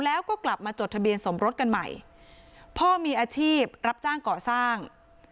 แล้วก็กลับมาจดทะเบียนสมรสกันใหม่พ่อมีอาชีพรับจ้างก่อสร้าง